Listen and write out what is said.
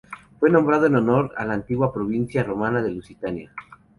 Fue nombrado en honor de la antigua provincia romana de Lusitania.